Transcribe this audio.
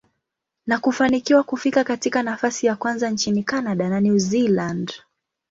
na kufanikiwa kufika katika nafasi ya kwanza nchini Canada na New Zealand.